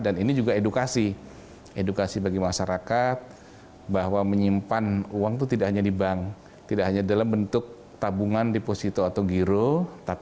dan ini juga edukasi bagi masyarakat yaitu bahwa menyimpan uang itu tidak hanya di bank tidak hanya dalam bentuk tabungan atau pirulun tapi yang lain yaitu emas